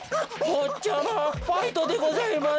ぼっちゃまファイトでございます。